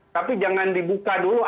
tapi jangan dibuka dulu